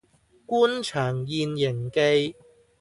官場現形記